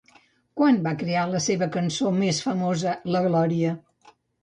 Quan va crear la seva cançó més famosa, la Glòria?